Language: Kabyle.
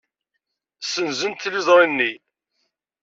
Ssenzent tiliẓri-nni.